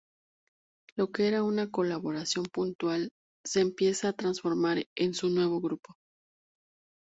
Lo que era una colaboración puntual se empieza a transformar en su nuevo grupo.